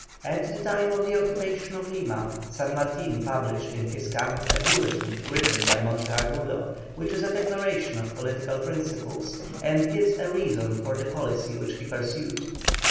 At the time of the occupation of Lima, San Martin published in his camp a bulletin written by Monteagudo, which is a declaration of political principles, and gives a reason for the policy which he pursued.